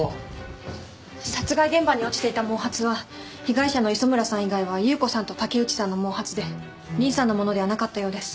殺害現場に落ちていた毛髪は被害者の磯村さん以外は祐子さんと竹内さんの毛髪でリンさんのものではなかったようです。